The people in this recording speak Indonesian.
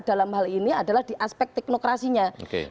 dalam hal ini adalah di aspek teknokrasinya